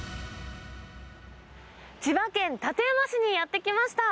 千葉県館山市にやって来ました。